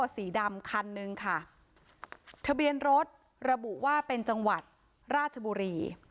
สีดำคันนึงค่ะทะเบียนรถระบุว่าเป็นจังหวัดราชบุรี